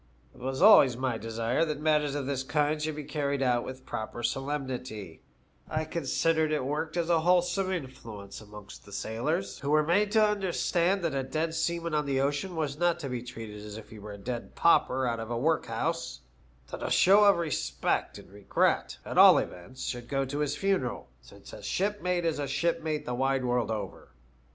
It was always my desire that matters of this kind should be carried out with proper solemnity* I considered it worked as a whole some influence amongst the sailors, who were made to understand that a dead seaman on the ocean was not to be treated as if he were a dead pauper out of a workhouse ; that a show of respect and regret, at all events, should go to his funeral, since a shipmate is a shipmate the wide world over.